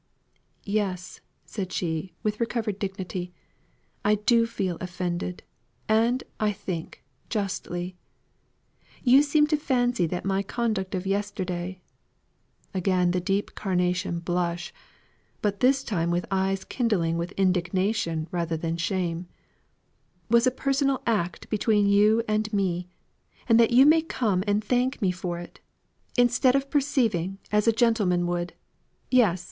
"Yes!" said she with recovered dignity. "I do feel offended; and, I think, justly. You seem to fancy that my conduct of yesterday" again the deep carnation blush, but this time with eyes kindling with indignation rather than shame "was a personal act between you and me; and that you may come and thank me for it, instead of perceiving, as a gentleman would yes!